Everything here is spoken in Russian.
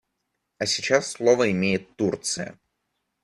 А сейчас слово имеет Турция.